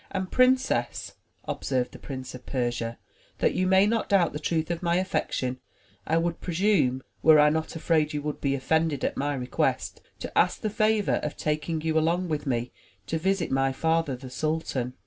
And, princess," observed the Prince of Persia, "that you may not doubt the truth of my affection, I would presume, were I not afraid you would be offended at my request, to ask the favor of taking you along with me to visit my father, the sultan."